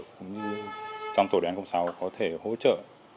cũng như trong tổ đề án sáu có thể hỗ trợ